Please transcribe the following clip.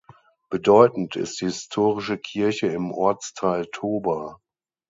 Bedeutend ist die historische Kirche im Ortsteil Toba.